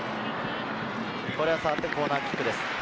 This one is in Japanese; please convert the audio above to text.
これはコーナーキックです。